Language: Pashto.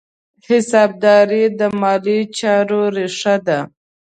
حسابداري د مالي چارو ریښه ده.